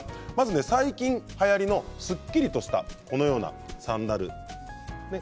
最近はやりのすっきりとしたこのようなサンダルですね。